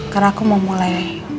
karena aku mau mulai